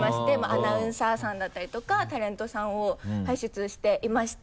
アナウンサーさんだったりとかタレントさんを輩出していまして。